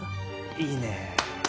いいね。